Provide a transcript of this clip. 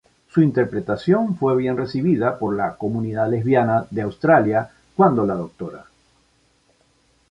Su interpretación fue bien recibida por la comunidad lesbiana de Australia, cuando la Dra.